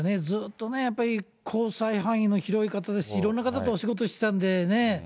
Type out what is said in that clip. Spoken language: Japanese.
ずっとね、交際範囲も広い方ですし、いろんな方とお仕事してたんでね。